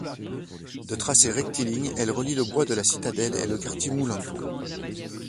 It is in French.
De tracé rectiligne, elle relie le bois de la citadelle et le quartier Moulins.